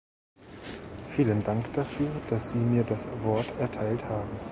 Vielen Dank dafür, dass Sie mir das Wort erteilt haben.